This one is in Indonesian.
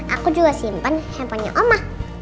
aku juga simpan handphonenya oma